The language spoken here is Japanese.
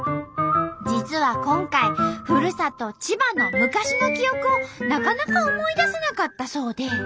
実は今回ふるさと千葉の昔の記憶をなかなか思いだせなかったそうで。